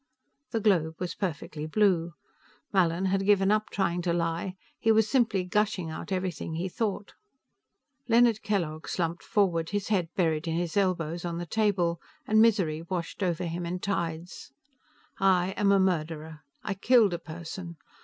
The globe was perfectly blue. Mallin had given up trying to lie; he was simply gushing out everything he thought. Leonard Kellogg slumped forward, his head buried in his elbows on the table, and misery washed over him in tides. _I am a murderer; I killed a person.